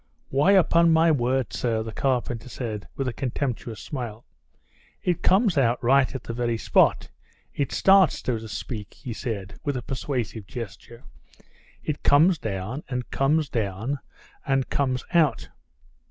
"Why, upon my word, sir," the carpenter said with a contemptuous smile. "It comes out right at the very spot. It starts, so to speak," he said, with a persuasive gesture; "it comes down, and comes down, and comes out."